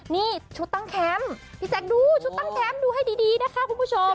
นี่ชุดตั้งแคมป์พี่แจ๊คดูชุดตั้งแคมป์ดูให้ดีนะคะคุณผู้ชม